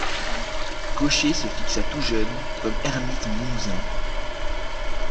Gaucher se fixa tout jeune comme ermite en Limousin.